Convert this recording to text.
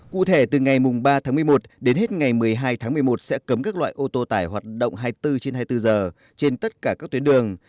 cụ thể từ ngày ba tháng một mươi một đến hết ngày một mươi hai tháng một mươi một sẽ cấm các loại ô tô tải hoạt động hai mươi bốn trên hai mươi bốn giờ trên tất cả các tuyến đường